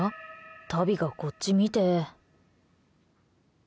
タビがこっち見て。